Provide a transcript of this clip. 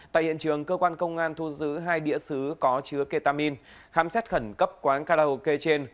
tại hiện trường cơ quan công an thu giữ hai đĩa xứ có chứa ketamin khám xét khẩn cấp quán karaoke trên